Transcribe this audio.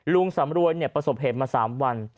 สำรวยประสบเหตุมา๓วัน